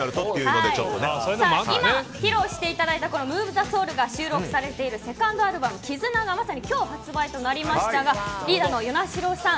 今、披露していただいた「ＭｏｖｅＴｈｅＳｏｕｌ」が収録されているセカンドアルバム「ＫＩＺＵＮＡ」がまさに今日発売となりましたがリーダーの與那城さん